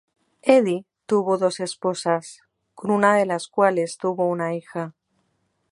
Eddy tuvo dos esposas, con una de las cuales tuvo una hija.